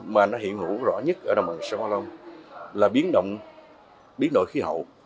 mà nó hiện hữu rõ nhất ở đồng bằng sài gòn là biến động biến đổi khí hậu